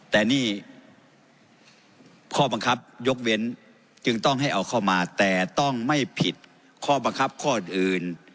แต่นี่ข้อบังคับยกเว้นจึงต้องให้เอาเข้ามาแต่ต้องไม่ผิดข้อบังคับข้ออื่น